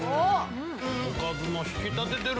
おかずを引き立ててる。